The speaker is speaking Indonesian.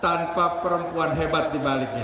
tanpa perempuan hebat dibaliknya